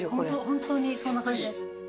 本当にそんな感じです。